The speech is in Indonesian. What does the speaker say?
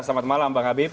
selamat malam bang habib